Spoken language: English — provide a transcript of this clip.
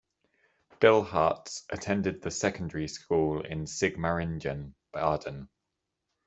Bilharz attended the secondary school in Sigmaringen, Baden.